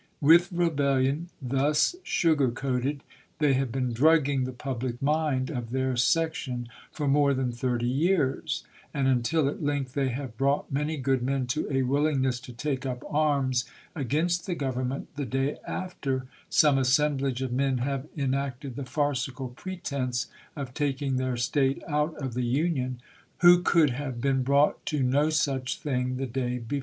With rebellion thus sugar coated, they have been drugging the public mind of their section for more than thirty years ; and until at length they have brought many good men to a willingness to take up arms against the Government the day after some assemblage of men have enacted the farcical pretense of taking their State out of the Union, who could have been brought to no such thing the day before.